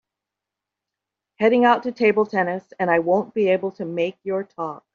Heading out to table tennis and I won’t be able to make your talk.